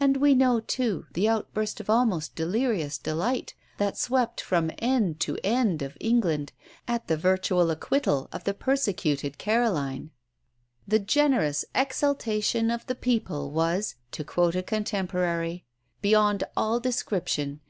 And we know, too, the outburst of almost delirious delight that swept from end to end of England at the virtual acquittal of the persecuted Caroline. "The generous exultation of the people was," to quote a contemporary, "beyond all description.